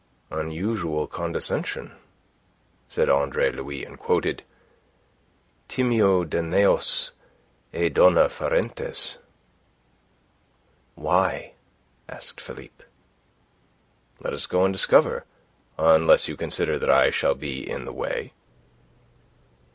"Unusual condescension," said Andre Louis, and quoted "Timeo Danaos et dona ferentes." "Why?" asked Philippe. "Let us go and discover unless you consider that I shall be in the way."